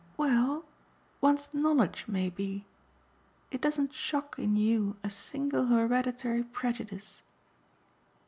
"Well, one's knowledge may be. It doesn't shock in you a single hereditary prejudice."